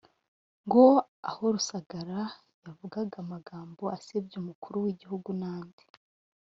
ngo aho Rusagara yavugaga amagambo asebya Umukuru w’Igihugu n’andi